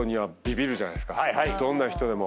どんな人でも。